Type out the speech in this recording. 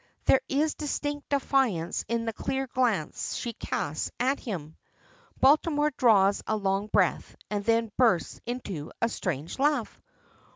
There is distinct defiance in the clear glance she casts at him. Baltimore draws a long breath, and then bursts into a strange laugh.